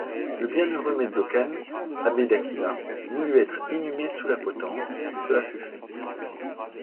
Le bienheureux Mezzocane, abbé d'Aquila, voulut être inhumé sous la potence ; cela fut fait.